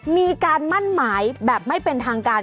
มีการมั่นหมายแบบไม่เป็นทางการ